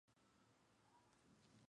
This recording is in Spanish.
Fue reemplazada por "Orquídea.